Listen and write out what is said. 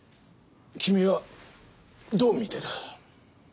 君はどう見てる？